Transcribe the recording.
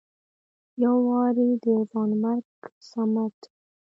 يو وارې د ځوانيمرګ صمد